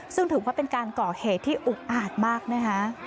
ซึ่งถือว่าเป็นการก่อเหตุที่อุกอาจมากนะคะ